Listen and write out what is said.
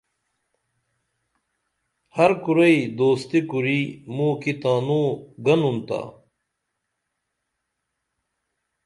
ہر کُرئی دوستی کُری موں کی تانوں گنُن تا